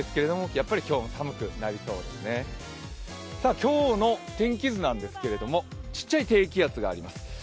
今日の天気図なんですけれども小さい低気圧があります。